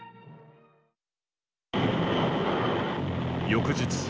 翌日。